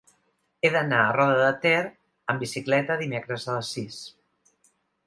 He d'anar a Roda de Ter amb bicicleta dimecres a les sis.